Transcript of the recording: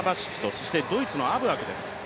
そしてドイツのアブアクです。